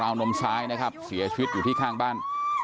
วนมซ้ายนะครับเสียชีวิตอยู่ที่ข้างบ้าน